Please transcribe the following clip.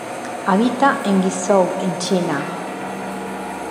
Habita en Guizhou en China.